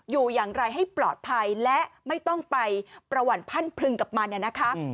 อยู่อย่างไรให้ปลอดภัยและไม่ต้องไปประวัติพันธุ์พลึงกับมัน